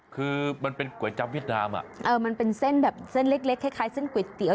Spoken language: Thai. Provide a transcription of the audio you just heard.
คือมันเป็นก๋วยจับเวียดนามอ่ะเออมันเป็นเส้นแบบเส้นเล็กเล็กคล้ายเส้นก๋วยเตี๋ย